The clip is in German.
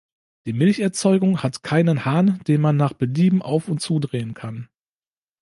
Die Milcherzeugung hat keinen Hahn, den man nach Belieben auf- und zudrehen kann.